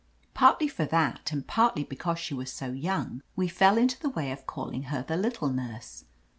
Partly for that and partly because she was so young, we fell into the way of calling her the Little Nurse.